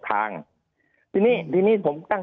ภารกิจสรรค์ภารกิจสรรค์